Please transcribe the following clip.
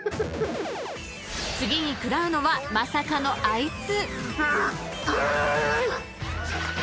［次に食らうのはまさかのあいつ］